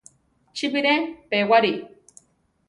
Chi bire pewari.